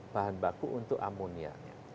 bahan baku untuk ammonia